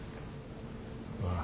ああ。